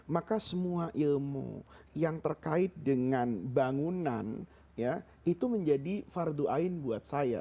maka semua ilmu yang terkait dengan bangunan ya itu menjadi fardu ain buat saya